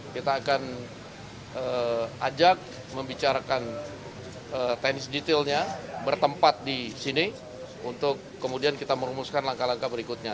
kita akan ajak membicarakan tenis detailnya bertempat di sini untuk kemudian kita merumuskan langkah langkah berikutnya